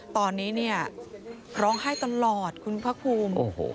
ตอนนี้เนี่ยร้องไห้ตลอดคุณพระคุมโอ้โห